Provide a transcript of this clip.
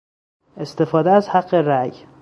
استفاده از حق رای